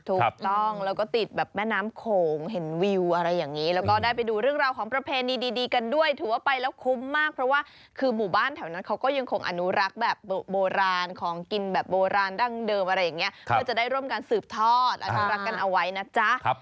ถูกต้องแล้วก็ติดแบบแม่น้ำโขงเห็นวิวอะไรอย่างนี้แล้วก็ได้ไปดูเรื่องราวของประเพณีดีกันด้วยถือว่าไปแล้วคุ้มมากเพราะว่าคือหมู่บ้านแถวนั้นเขาก็ยังคงอนุรักษ์แบบโบราณของกินแบบโบราณดั้งเดิมอะไรอย่างนี้เพื่อจะได้ร่วมกันสืบทอดอนุรักษ์กันเอาไว้นะจ๊ะ